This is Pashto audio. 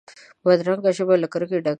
بدرنګه ژبه له کرکې ډکه وي